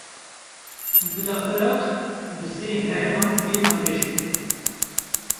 Bila Iraq bi sê herêman bê dabeşkirin